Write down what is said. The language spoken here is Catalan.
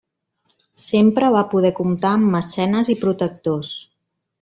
Sempre va poder comptar amb mecenes i protectors.